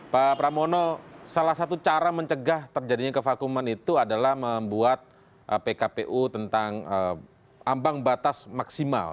pak pramono salah satu cara mencegah terjadinya kevakuman itu adalah membuat pkpu tentang ambang batas maksimal